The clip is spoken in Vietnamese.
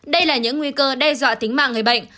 đây là những nguy cơ đe dọa tính mạng người bệnh